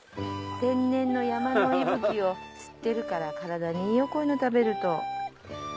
天然の山の息吹を吸ってるから体にいいよこういうの食べると。